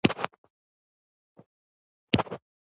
چی لری بچي خوري الوچی .